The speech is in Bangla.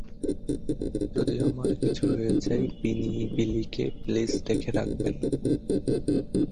যদি আমার কিছু হয়ে যায়, বিলিকে প্লিজ দেখে রাখবেন।